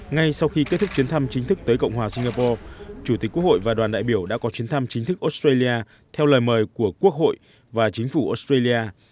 ngay sau khi kết thúc chuyến thăm chính thức tới cộng hòa singapore chủ tịch quốc hội và đoàn đại biểu đã có chuyến thăm chính thức australia theo lời mời của quốc hội và chính phủ australia